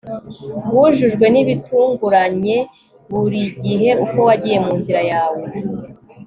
wujujwe nibitunguranye burigihe uko wagiye munzira yawe